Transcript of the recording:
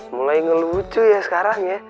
mulai ngelucu ya sekarang ya